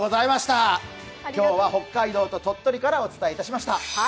今日は北海道と鳥取からお伝えしました。